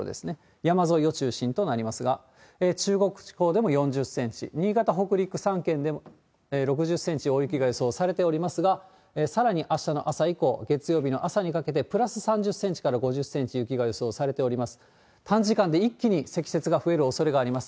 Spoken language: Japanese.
山沿いを中心となりますが、中国地方でも４０センチ、新潟・北陸３県で６０センチ、大雪が予想されておりますが、さらにあしたの朝以降、月曜日の朝にかけて、プラス３０センチから５０センチ雪が予想されております。